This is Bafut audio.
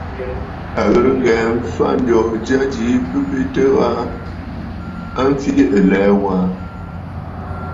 À ghɨ̀rə ŋghɛ̀ɛ̀ m̀fa ǹjoo jya jìi bɨ betə aa, a mfiʼi ɨlɛ̀ɛ̂ waa.